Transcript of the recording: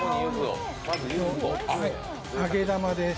揚げ玉です。